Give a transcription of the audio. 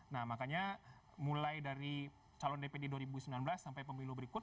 nah makanya mulai dari calon dpd dua ribu sembilan belas sampai pemilu berikut